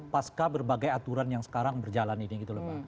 pasca berbagai aturan yang sekarang berjalan ini gitu loh pak